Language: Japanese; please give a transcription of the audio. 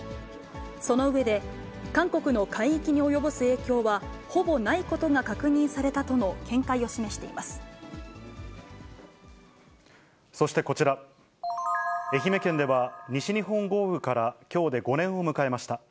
その上で、韓国の海域に及ぼす影響はほぼないことが確認されたとの見解を示そしてこちら、愛媛県では西日本豪雨からきょうで５年を迎えました。